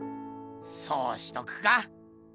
そうしとくか。